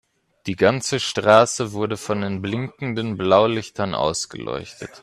Die ganze Straße wurde von den blinkenden Blaulichtern ausgeleuchtet.